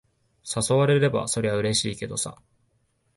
誘われれば、そりゃうれしいけどさ。